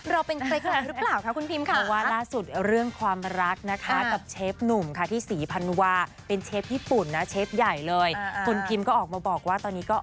เราเป็นใครกันหรือเปล่าคะคุณพิมพ์ค่ะ